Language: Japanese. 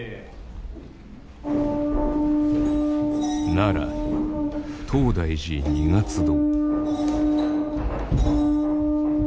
奈良東大寺二月堂。